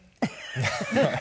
ハハハハ。